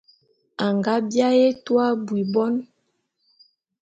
A nga biaé etua abui bon.